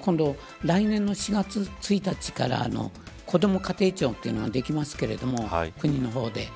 今度、来年の４月１日からこども家庭庁というのができますが国の方で。